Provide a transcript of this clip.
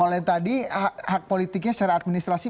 oleh yang tadi hak politiknya secara administrasi